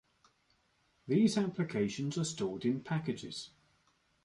These applications are stored in packages.